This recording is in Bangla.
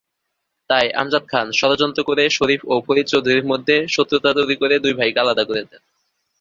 তাই আমজাদ খান ষড়যন্ত্র করে শরীফ ও ফরিদ চৌধুরীর মধ্যে শত্রুতা তৈরি করে দুই ভাইকে আলাদা করে দেন।